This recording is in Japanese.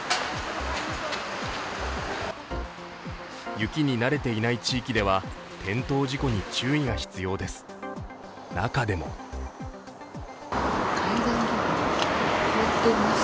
雪に慣れていない地域では転倒事故に注意が必要です。